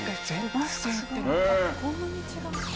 こんなに違う。